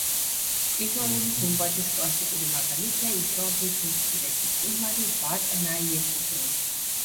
მყინვარული გუმბათის კლასიკური მაგალითია ისლანდიის უმსხვილესი მყინვარი ვატნაიეკუდლი.